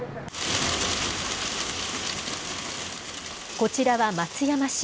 こちらは松山市。